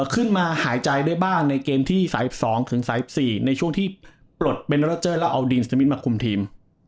ขึ้นมาหายใจด้วยบ้างในเกมที่สายสิบสองถึงสายสิบสี่ในช่วงที่ปลดแล้วเอามาคุมทีม